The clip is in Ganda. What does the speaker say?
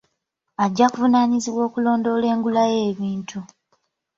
Ajja kuvunaanyizibwa okulondoola engula y'ebintu.